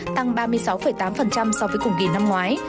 tăng ba mươi sáu tám so với cùng kỳ năm ngoái